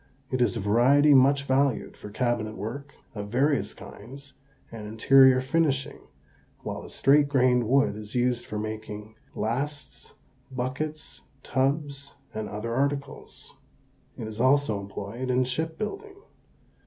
It is a variety much valued for cabinet work of various kinds and interior finishing, while the straight grained wood is used for making lasts, buckets, tubs, and other articles. It is also employed in ship building.